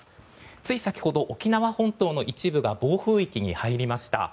つい先ほど沖縄本島の一部が暴風域に入りました。